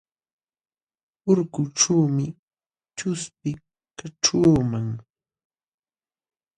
Urkuućhuumi chuspi kaćhuuman.